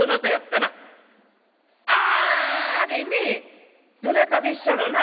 「ああれねどなたでっしゃろな？」。